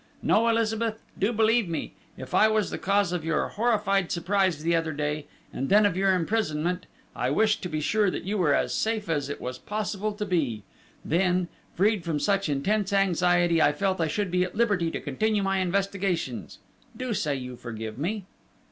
No, Elizabeth, do believe me, if I was the cause of your horrified surprise the other day, and then of your imprisonment, I wished to be sure that you were as safe as it was possible to be; then, freed from such intense anxiety, I felt I should be at liberty to continue my investigations.... Do say you forgive me!"